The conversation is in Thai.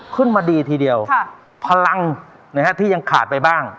ขึ้นมาดีทีเดียวพลังที่ยังขาดไปบ้าง